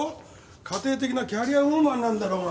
家庭的なキャリアウーマンなんだろうが。